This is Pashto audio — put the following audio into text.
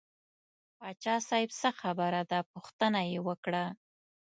پاچا صاحب څه خبره ده پوښتنه یې وکړه.